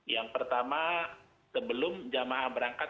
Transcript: yang pertama sebelum jamaah berangkat